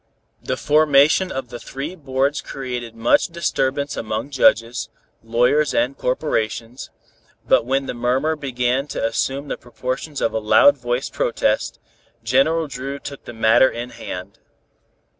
The formation of the three boards created much disturbance among judges, lawyers and corporations, but when the murmur began to assume the proportions of a loud voiced protest, General Dru took the matter in hand.